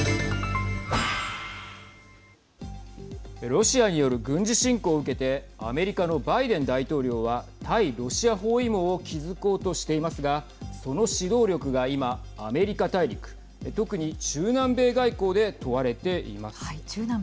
ロシアによる軍事侵攻を受けてアメリカのバイデン大統領は対ロシア包囲網を築こうとしていますがその指導力が今、アメリカ大陸特に中南米外交で問われています。